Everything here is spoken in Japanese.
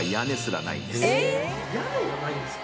屋根がないんですか